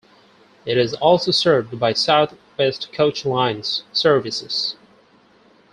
It is also served by South West Coach Lines services.